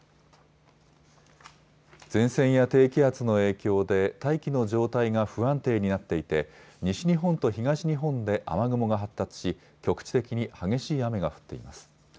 前線や低気圧の影響で大気の状態が不安定になっていて西日本と東日本で雨雲が発達し局地的に激しい雨が降っています。